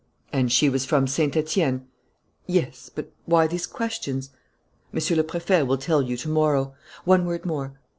"And she was from Saint Etienne?" "Yes. But why these questions?" "Monsieur le Préfet will tell you to morrow. One word more."